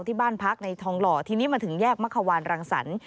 ที่บ้านพักในทองหล่อทีนี้มาถึงแยกมะควานรังสรรค์